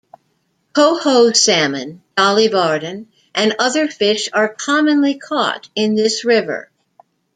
Coho salmon, Dolly Varden, and other fish are commonly caught in this river.